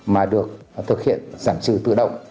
mà được thực hiện giảm trừ tự động